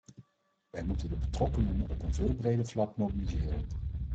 Wij moeten de betrokkenen op een veel breder vlak mobiliseren.